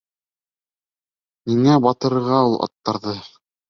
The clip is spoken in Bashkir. Ниңә батырырға ул аттарҙы.